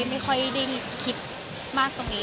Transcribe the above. ไม่ค่อยได้คิดมากตรงนี้